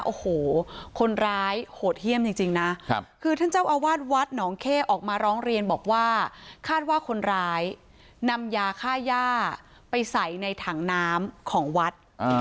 โอ้โหคนร้ายโหดเยี่ยมจริงนะคือท่านเจ้าอาวาสวัดหนองเข้ออกมาร้องเรียนบอกว่าคาดว่าคนร้ายนำยาค่าย่าไปใส่ในถังน้ำของวัด